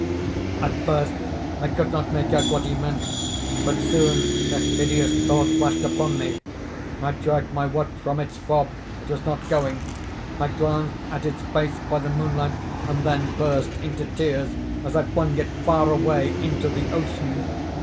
'_ "At first I could not make out what he meant—but soon a hideous thought flashed upon me. I dragged my watch from its fob. It was not going. I glanced at its face by the moonlight, and then burst into tears as I flung it far away into the ocean.